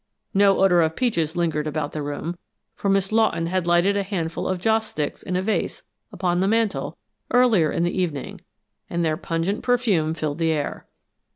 No odor of peaches lingered about the room, for Miss Lawton had lighted a handful of joss sticks in a vase upon the mantel earlier in the evening, and their pungent perfume filled the air.